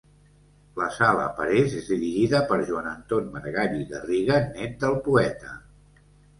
La Sala Parés és dirigida per Joan Anton Maragall i Garriga, nét del poeta.